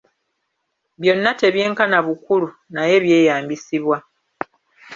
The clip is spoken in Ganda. Byonna tebyenkana bukulu, naye byeyambisibwa.